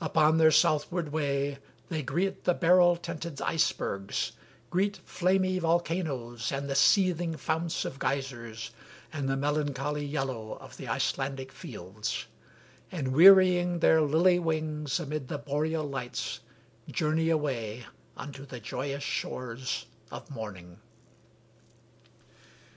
Upon their southward way They greet the beryl tinted icebergs; greet Flamy volcanoes and the seething founts Of geysers, and the melancholy yellow Of the Icelandic fields; and, wearying Their lily wings amid the boreal lights, Journey away unto the joyous shores Of morning.